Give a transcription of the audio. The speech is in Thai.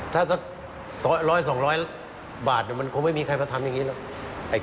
ถ้าสัก๑๐๐๒๐๐บาทมันคงไม่มีใครมาทำอย่างนี้หรอก